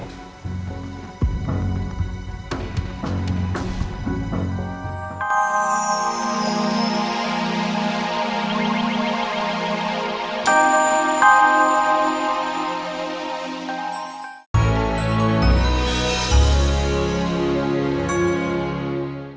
bacakalah dan kita ocupaminya